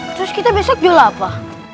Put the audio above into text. terus kita besok jual apa